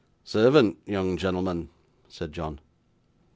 'Servant, young genelman,' said John.